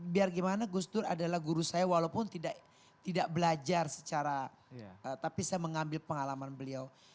biar gimana gus dur adalah guru saya walaupun tidak belajar secara tapi saya mengambil pengalaman beliau